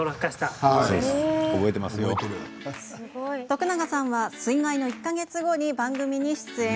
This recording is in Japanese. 徳永さんは水害の１か月後に番組に出演。